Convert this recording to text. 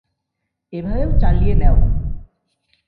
এভাবেও চালিয়ে নেও।